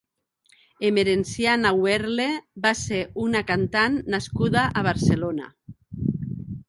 Emerenciana Wehrle va ser una cantant nascuda a Barcelona.